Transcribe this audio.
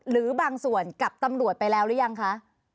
หรือบางส่วนกับตำรวจไปแล้วหรือยังคะ